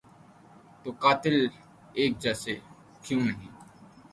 تو قاتل ایک جیسے کیوں نہیں؟